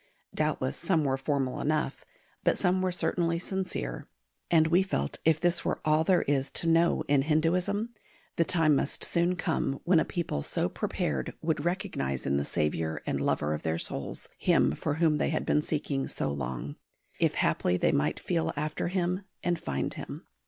Doubtless some were formal enough, but some were certainly sincere; and we felt if this were all there is to know in Hinduism, the time must soon come when a people so prepared would recognise in the Saviour and Lover of their souls, Him for whom they had been seeking so long, "if haply they might feel after Him and find Him."